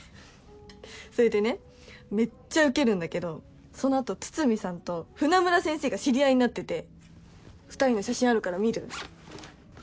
それでねめっちゃウケるんだけどそのあと筒見さんと船村先生が知り合いになってて２人の写真あるから見る？